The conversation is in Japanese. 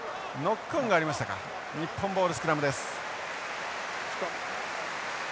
日本ボールスクラムです。